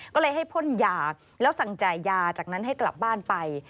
ก็เลยให้พ่นยาแล้วสั่งจ่ายยาจากนั้นให้กลับบ้านไป